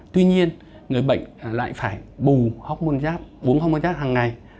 tuy nhiên người bệnh lại phải bù hốc môn giáp uống hốc môn giáp hằng ngày